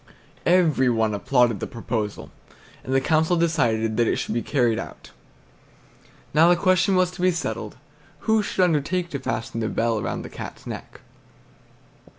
Every one applauded this proposal, and the council decided that it should be carried out. Now the question to be settled was, who should undertake to fasten the bell round the Cat's neck?